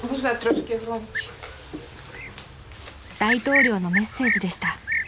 ［大統領のメッセージでした］